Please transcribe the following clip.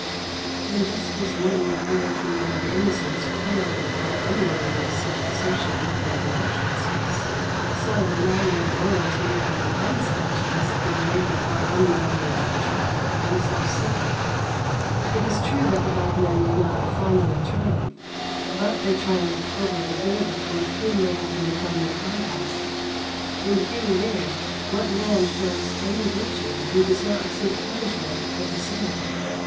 126. And just as womanly purity and innocence quail before unwomanly self assertion and voluptuousness, so manly loyalty and unselfishness give way before unmanly treachery and self seeking. It is true that the bad men do not finally triumph, but they triumph over the good with whom they happen to come in contact. In "King Lear," what man shows any virtue who does not receive punishment for the same?